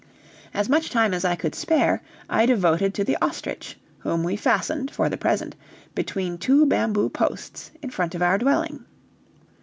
As much time as I could spare, I devoted to the ostrich, whom we fastened, for the present, between two bamboo posts in front of our dwelling.